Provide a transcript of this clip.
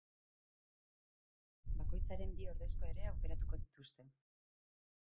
Bakoitzaren bi ordezko ere aukeratuko dituzte.